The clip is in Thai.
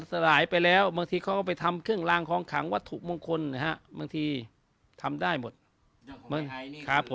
สลายไปแล้วบางทีเขาก็ไปทำเครื่องลางของขังวัตถุมงคลนะฮะบางทีทำได้หมดครับผม